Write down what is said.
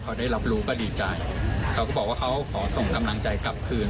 เขาได้รับรู้ก็ดีใจก็บอกว่าเพื่อนก็กลับไปขอส่งกำลังใจกลับคืน